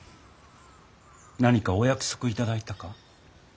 何かお約束いただいたか？